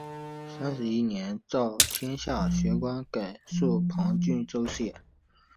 三十一年诏天下学官改授旁郡州县。